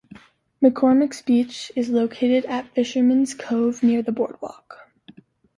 McCormick's Beach is located at Fisherman's Cove near the boardwalk.